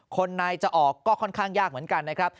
คนในจะออกก็ค่อนข้างยากเหมือนกันนะครับ